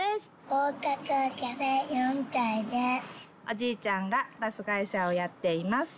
おじいちゃんがバスがいしゃをやっています。